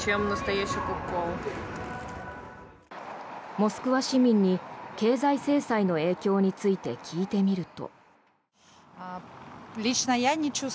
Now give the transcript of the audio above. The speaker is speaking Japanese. モスクワ市民に経済制裁の影響について聞いてみると。